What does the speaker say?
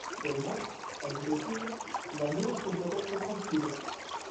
Seulement, ajoutait-il, la nôtre doit être tranquille.